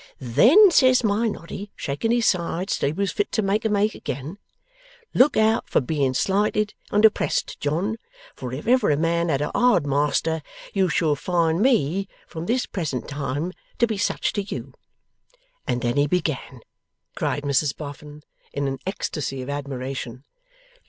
Then says my Noddy, shaking his sides till he was fit to make 'em ache again: "Look out for being slighted and oppressed, John, for if ever a man had a hard master, you shall find me from this present time to be such to you." And then he began!' cried Mrs Boffin, in an ecstacy of admiration.